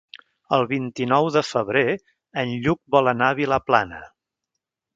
El vint-i-nou de febrer en Lluc vol anar a Vilaplana.